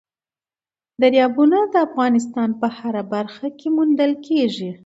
دریابونه د افغانستان په هره برخه کې موندل کېږي.